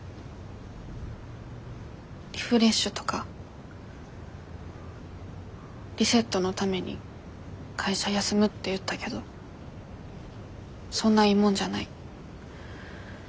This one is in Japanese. リフレッシュとかリセットのために会社休むって言ったけどそんないいもんじゃない。